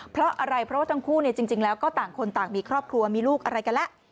เพราะอะไรเพราะว่าทั้งคู่จริงแล้วก็ต่างคนต่างมีครอบครัวมีลูกอะไรกันแล้ว